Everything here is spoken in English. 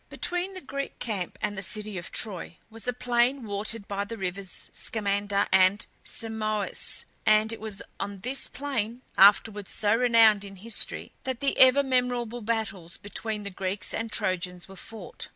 Between the Greek camp and the city of Troy was a plain watered by the rivers Scamander and Simois, and it was on this plain, afterwards so renowned in history, that the ever memorable battles between the Greeks and Trojans were fought.